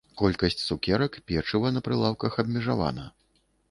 Колькасць цукерак, печыва на прылаўках абмежавана.